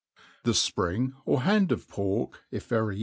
The fpring, or hand of pork, if i vary.